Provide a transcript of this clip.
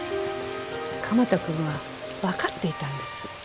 鎌田君は分かっていたんです